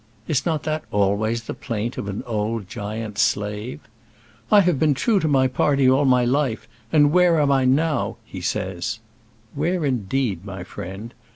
Is not that always the plaint of an old giant slave? "I have been true to my party all my life, and where am I now?" he says. Where, indeed, my friend?